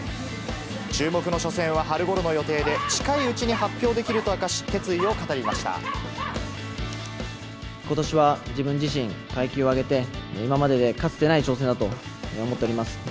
注目の初戦は春ごろの予定で、近いうちに発表できると明かし、ことしは自分自身、階級を上げて、今まででかつてない挑戦だと思っております。